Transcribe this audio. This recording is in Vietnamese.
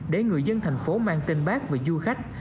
để người dân thành phố mang tên bác và du khách